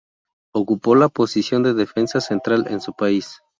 Ocupó la posición de defensa central en su país.